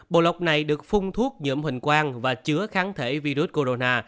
bộ lọc này được phun thuốc dưỡng hình quang và chứa kháng thể virus corona